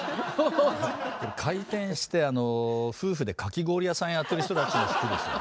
開店してあの夫婦でかき氷屋さんやってる人たちの服ですよ。